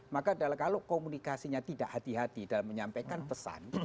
maka kalau komunikasinya tidak hati hati dalam menyampaikan pesan